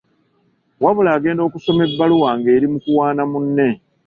Wabula agenda okusoma ebbaluwa nga eri mu kuwaana munne.